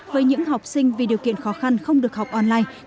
với những học sinh vì điều kiện khó khăn không được học online